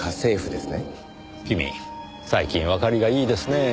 君最近わかりがいいですねぇ。